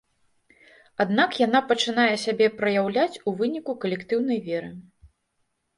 Аднак яна пачынае сябе праяўляць ў выніку калектыўнай веры.